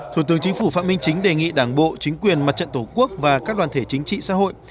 thủ tướng chính phủ phạm minh chính đề nghị đảng bộ chính quyền mặt trận tổ quốc và các đoàn thể chính trị xã hội